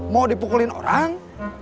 mau dipukulin orang